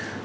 bộ y tế